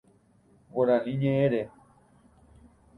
Guaraní ñeʼẽre.